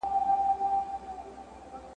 د ده نه ورپام کېدی نه یې په کار وو !.